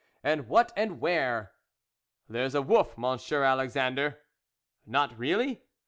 and what and where ?"" There's a wolf, Monsieur Alexandre." [< Not really